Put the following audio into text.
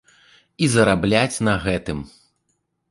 І зарабляць на гэтым.